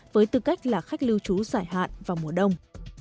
với tư cách là khách lưu trú giải hạn vào mùa đông